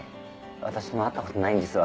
私も会ったことないんですわ。